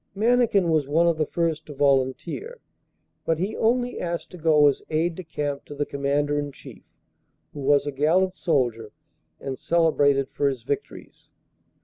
Mannikin was one of the first to volunteer, but he only asked to go as aide de camp to the Commander in chief, who was a gallant soldier and celebrated for his victories.